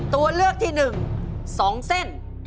ตัวเลือกที่หนึ่ง๒เส้น